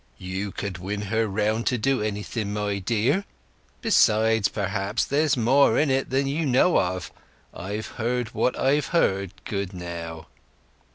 "You could win her round to do anything, my dear. Besides, perhaps there's more in it than you know of. I've heard what I've heard, good now."